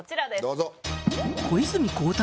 どうぞ！